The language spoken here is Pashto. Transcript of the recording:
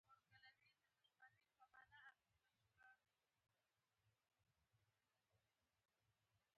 روح د خلاقیت سرچینه ده.